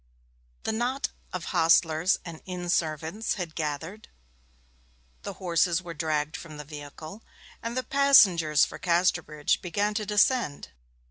The knot of hostlers and inn servants had gathered, the horses were dragged from the vehicle, and the passengers for Casterbridge began to descend.